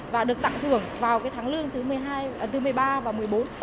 và được tặng thưởng vào tháng lương thứ một mươi ba và một mươi bốn